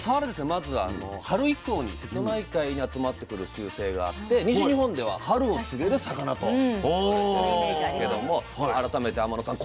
まず春以降に瀬戸内海に集まってくる習性があって西日本では春を告げる魚と言われているんですけども改めて天野さん